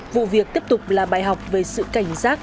vụ việc tiếp tục là bài học về sự cảnh giác